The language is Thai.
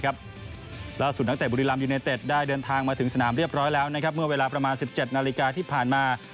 ล่าสุดนักเตะบุรีรัมยูเนเต็ดได้เดินทางมาถึงสนามเรียบร้อยแล้วเมื่อเวลาประมาณ๑๗นาฬิกาที่ผ่านมา